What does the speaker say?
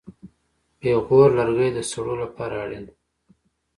پېغور لرګی د سړو لپاره اړین دی.